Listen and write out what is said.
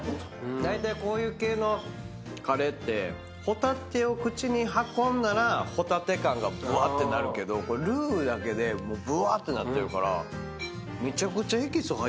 だいたいこういう系のカレーってホタテを口に運んだらホタテ感がぶわーってなるけどこれルーだけでぶわーってなってるから。